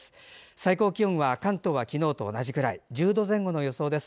最高気温は関東は昨日と同じくらい１０度前後の予想です。